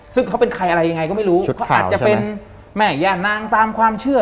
ซึ่งเขาเป็นใครอะไรยังไงก็ไม่รู้เขาอาจจะเป็นแม่ย่านางตามความเชื่อ